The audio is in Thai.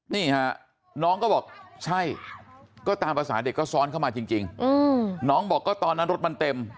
นี่ฮะน้องก็บอกใช่ก็ตามภาษาเด็กก็ซ้อนเข้ามาจริงน้องบอกก็ตอนนั้นรถมันเต็ม